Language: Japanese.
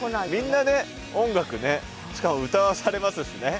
みんなね音楽ねしかも歌わされますしね。